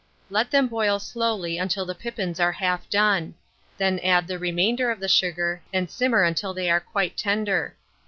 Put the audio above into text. Let them boil slowly until the pippins are half done; then add the remainder of the sugar, and simmer until they are quite tender.